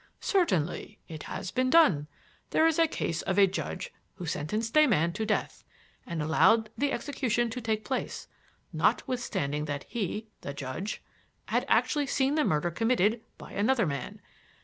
"Certainly. It has been done. There is a case of a judge who sentenced a man to death and allowed the execution to take place, notwithstanding that he the judge had actually seen the murder committed by another man.